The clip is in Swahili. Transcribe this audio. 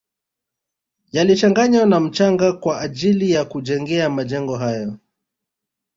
Yalichanganywa na mchanga kwa ajili ya kujengea majengo hayo